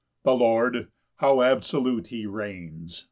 2 The Lord! how absolute he reigns!